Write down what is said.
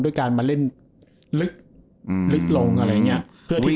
โดยการมาเล่นลึกลงอะไรเนี่ย